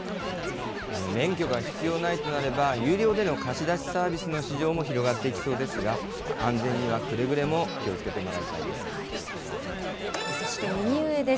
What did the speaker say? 免許が必要ないとなれば、有料での貸し出しサービスの市場も広がっていきそうですが、安全にはくれぐれも気をつけてもらいたそして、右上です。